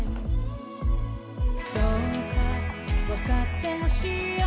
「どうか分かって欲しいよ」